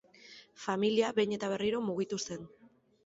Familia behin eta berriro mugitu zen.